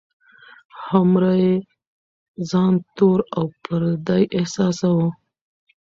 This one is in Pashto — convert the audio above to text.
هومره یې ځان تور او پردی احساساوه.